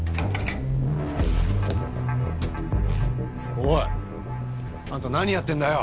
おい！あんた何やってんだよ。